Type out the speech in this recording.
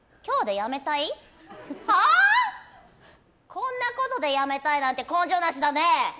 こんなことでやめたいなんて根性なしだね！